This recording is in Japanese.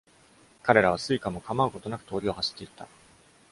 彼らは誰荷も構うことなく通りを走っていた。